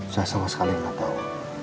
saya sama sekali nggak tahu